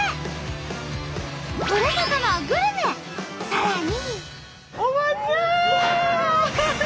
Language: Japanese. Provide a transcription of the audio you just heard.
さらに。